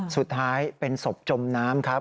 สุดท้ายเป็นศพจมน้ำครับ